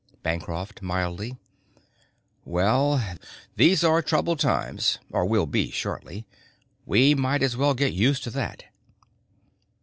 Bancroft, mildly: "Well, these are troubled times, or will be shortly. We might as well get used to that."